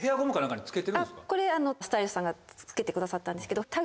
これスタイリストさんが付けてくださったんですけど。